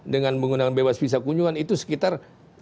dengan menggunakan bebas visa kunjungan itu sekitar